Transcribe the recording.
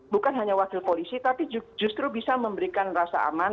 bukan hanya wakil polisi tapi justru bisa memberikan rasa aman